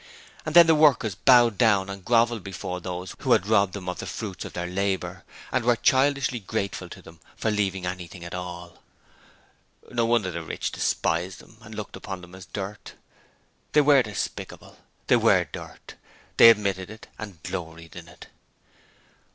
And then the workers bowed down and grovelled before those who had robbed them of the fruits of their labour and were childishly grateful to them for leaving anything at all. No wonder the rich despised them and looked upon them as dirt. They WERE despicable. They WERE dirt. They admitted it and gloried in it.